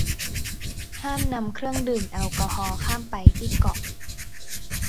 ห้ามนำเครื่องดื่มแอลกอฮอล์ข้ามไปที่เกาะ